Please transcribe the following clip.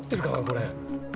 これ。